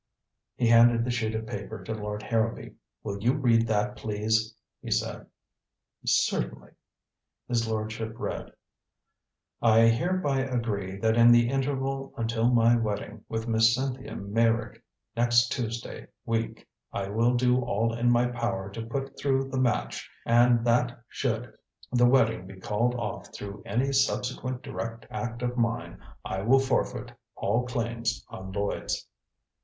He handed the sheet of paper to Lord Harrowby. "Will you read that, please?" he said. "Certainly." His lordship read: "I hereby agree that in the interval until my wedding with Miss Cynthia Meyrick next Tuesday week I will do all in my power to put through the match, and that should the wedding be called off through any subsequent direct act of mine, I will forfeit all claims on Lloyds."